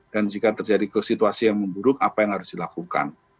dan jika terjadi ke situasi yang memburuk apa yang harus dilakukan